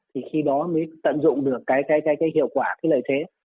thì khi đó mới tận dụng được cái hiệu quả cái lợi thế